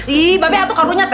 ih mbak be aku kan unyat